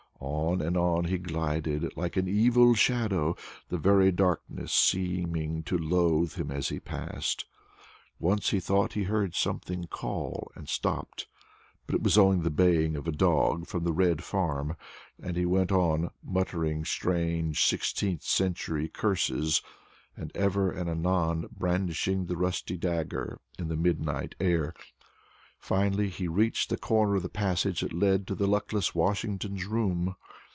On and on he glided, like an evil shadow, the very darkness seeming to loathe him as he passed. Once he thought he heard something call, and stopped; but it was only the baying of a dog from the Red Farm, and he went on, muttering strange sixteenth century curses, and ever and anon brandishing the rusty dagger in the midnight air. Finally he reached the corner of the passage that led to luckless Washington's room.